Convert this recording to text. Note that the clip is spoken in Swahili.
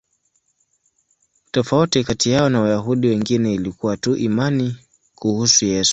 Tofauti kati yao na Wayahudi wengine ilikuwa tu imani kuhusu Yesu.